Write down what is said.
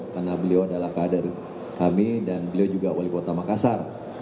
karena beliau adalah kader kami dan beliau juga wali kota makassar